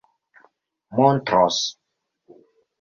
montros